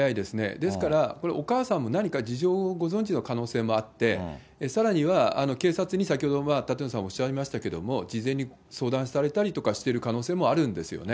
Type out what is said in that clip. ですから、これ、お母さんも何か事情をご存じの可能性もあって、さらには警察に先ほど、舘野さんおっしゃいましたけれども、事前に相談されたりとかしている可能性もあるんですよね。